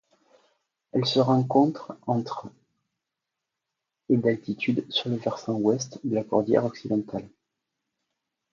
Elle se rencontre entre et d'altitude sur le versant ouest de la cordillère Occidentale.